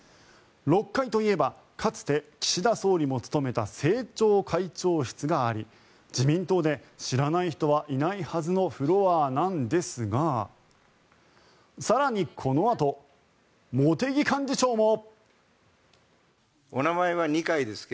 ６階といえばかつて岸田総理も務めた政調会長室があり自民党で知らない人はいないはずのフロアなんですが更にこのあと、茂木幹事長も。